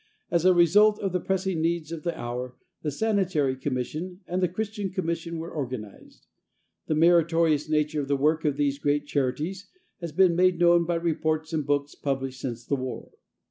As a result of the pressing needs of the hour the Sanitary Commission and the Christian Commission were organized. The meritorious nature of the work of these great charities has been made known by reports and books published since the war.